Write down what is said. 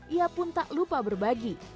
ia pun tak lupa berbagi